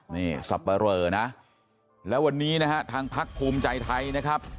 นี่สับปะเรอนะแล้ววันนี้นะฮะทางพักภูมิใจไทยนะครับ